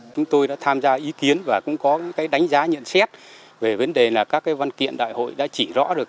chúng tôi đã tham gia ý kiến và cũng có cái đánh giá nhận xét về vấn đề là các văn kiện đại hội đã chỉ rõ được